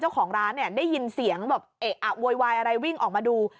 เจ้าของร้านเนี่ยได้ยินเสียงแบบเอะอะโวยวายอะไรวิ่งออกมาดู